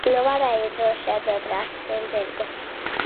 Nu varēja droši atdot ratus un zirgus.